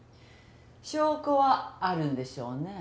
証拠はあるんでしょうね？